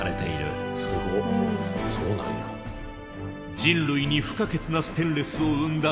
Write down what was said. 人類に不可欠なステンレスを生んだウーツ鋼。